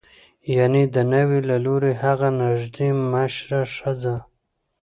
یعنې د ناوې له لوري هغه نژدې مشره ښځه